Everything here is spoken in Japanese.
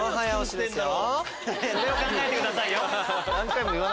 それを考えてくださいよ。